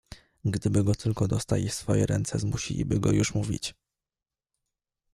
"Gdyby go tylko dostali w swoje ręce zmusiliby go już mówić."